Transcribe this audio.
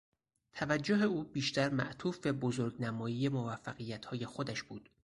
توجه او بیشتر معطوف به بزرگ نمایی موفقیت های خودش بود.